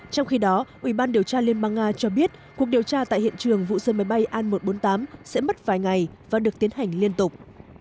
trong khi đó ủy ban điều tra liên bang nga cho biết cuộc điều tra tại hiện trường vụ rơi máy bay an một trăm bốn mươi tám sẽ mất vài ngày và được tiến hành liên tục